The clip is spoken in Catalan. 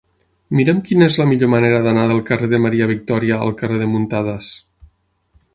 Mira'm quina és la millor manera d'anar del carrer de Maria Victòria al carrer de Muntadas.